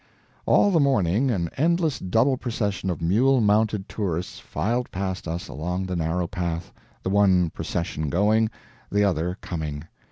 All the morning an endless double procession of mule mounted tourists filed past us along the narrow path the one procession going, the other coming.